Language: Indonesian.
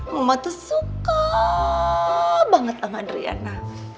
mama tuh suka banget sama adriana